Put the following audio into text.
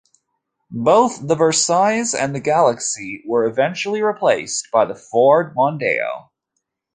Both the Versailles and the Galaxy were eventually replaced by the Ford Mondeo.